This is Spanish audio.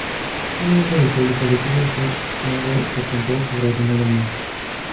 Un miembro del público le pide hacer algo de control sobre algún elemento.